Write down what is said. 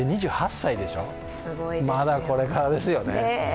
２８歳でしょう、まだこれからですよね。